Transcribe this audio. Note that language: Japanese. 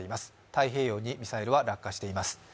太平洋にミサイルは落下しています。